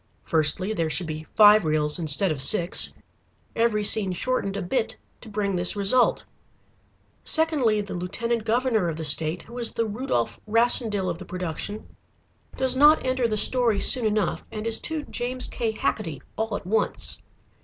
Firstly there should be five reels instead of six, every scene shortened a bit to bring this result. Secondly, the lieutenant governor of the state, who is the Rudolf Rassendyll of the production, does not enter the story soon enough, and is too James K. Hacketty all at once.